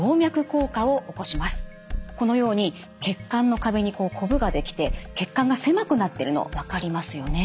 このように血管の壁にこぶができて血管が狭くなってるの分かりますよね。